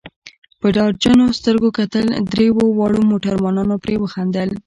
په ډار جنو سترګو کتل، دریو واړو موټروانانو پرې وخندل.